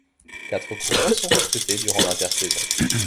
Quatre coureurs sont recrutés durant l'intersaison.